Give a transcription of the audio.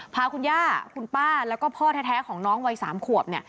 พาคุณย่าคุณป้าแล้วก็พ่อแท้ของน้องวัย๓ขวบเนี่ย